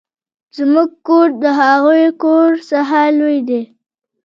زموږ کور د هغوې له کور څخه لوي ده.